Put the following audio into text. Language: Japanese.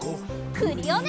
クリオネ！